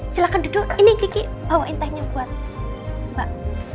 silahkan duduk ini gigi bawain tehnya buat mbak